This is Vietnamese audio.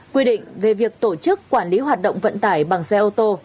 quy định về việc tổ chức quản lý hoạt động vận tải bằng xe ô tô